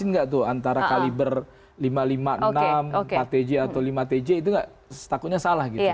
nggak tuh antara kaliber lima ratus lima puluh enam empat tj atau lima tj itu takutnya salah gitu